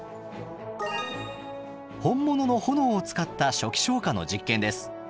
本物の炎を使った初期消火の実験です。